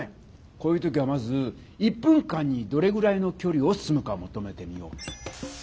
こういう時はまず１分間にどれぐらいのきょりを進むかもとめてみよう。